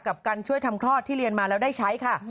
กับการช่วยทำคลอดที่เรียนมาแล้วได้ใช้ค่ะ